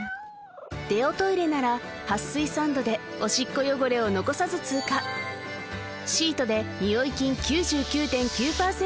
デオトイレなら撥水サンドでオシッコ汚れを残さず通過シートでニオイ菌９９．９％